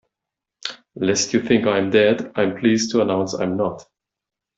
Lest you think I am dead, I’m pleased to announce I'm not!